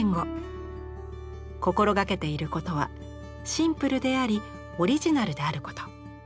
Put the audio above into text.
心掛けていることはシンプルでありオリジナルであること。